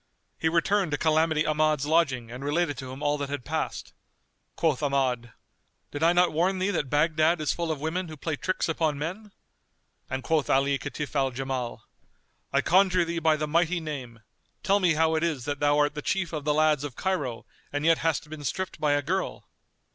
He returned to Calamity Ahmad's lodging and related to him all that had passed. Quoth Ahmad, "Did I not warn thee that Baghdad is full of women who play tricks upon men?" And quoth Ali Kitf al Jamal, "I conjure thee by the Mighty Name, tell me how it is that thou art the chief of the lads of Cairo and yet hast been stripped by a girl?"